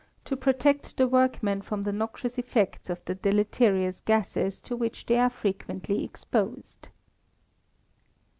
to protect the workmen from the noxious effects of the deleterious gases to which they are frequently exposed.